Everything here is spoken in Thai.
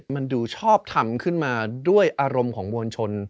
มันดูชอบทำขึ้นมาด้วยอารมณ์ของมวลชน